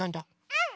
うん！